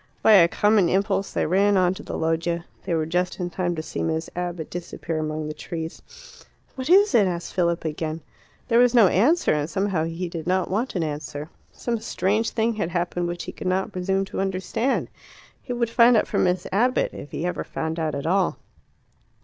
By a common impulse they ran on to the loggia. They were just in time to see Miss Abbott disappear among the trees. "What is it?" asked Philip again. There was no answer, and somehow he did not want an answer. Some strange thing had happened which he could not presume to understand. He would find out from Miss Abbott, if ever he found out at all.